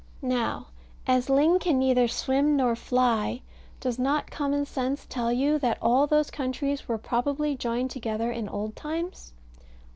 Now, as ling can neither swim nor fly, does not common sense tell you that all those countries were probably joined together in old times?